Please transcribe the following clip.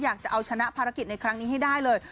อยากจะเอาชนะภารกิจในครั้งนี้ให้ได้เลย